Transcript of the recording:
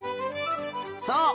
そう！